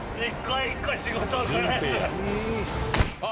あ！